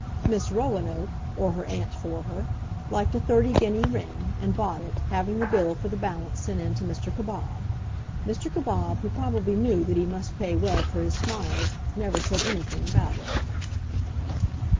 Miss Roanoke, or her aunt for her, liked a thirty guinea ring, and bought it, having the bill for the balance sent in to Mr. Cabob. Mr. Cabob, who probably knew that he must pay well for his smiles, never said anything about it.